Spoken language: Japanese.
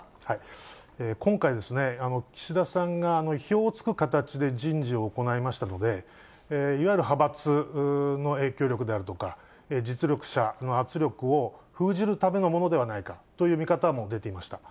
今回、岸田さんが意表をつく形で人事を行いましたので、いわゆる派閥の影響力であるとか、実力者の圧力を封じるためのものではないかとの見方も出ていました。